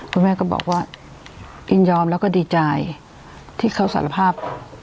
คุณแม่ก็บอกว่ายินยอมแล้วก็ดีใจที่เขาสารภาพ